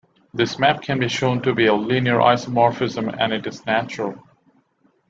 This map can be shown to be a linear isomorphism, and it is natural.